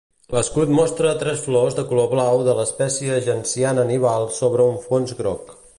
L'escut mostra tres flors de color blau de l'espècie genciana nival sobre un fons groc.